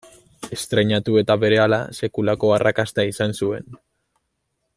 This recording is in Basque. Estreinatu eta berehala sekulako arrakasta izan zuen.